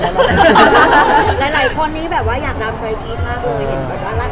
หลายคนนี้แบบว่าอยากนำเชอรี่มากเลย